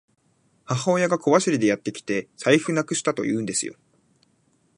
母親が小走りでやってきて、財布なくしたって言うんですよ。